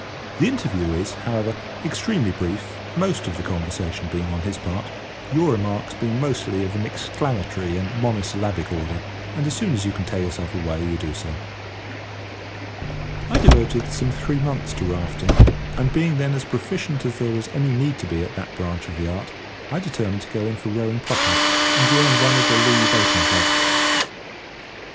The interview is, however, extremely brief, most of the conversation being on his part, your remarks being mostly of an exclamatory and mono syllabic order, and as soon as you can tear yourself away you do so. I devoted some three months to rafting, and, being then as proficient as there was any need to be at that branch of the art, I determined to go in for rowing proper, and joined one of the Lea boating clubs.